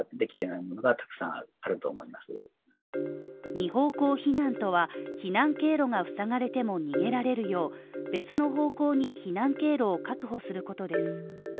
２方向避難とは、避難経路がふさがれても逃げられるよう、別の方向に避難経路を確保することです。